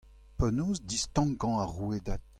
Penaos distankañ ar rouedad ?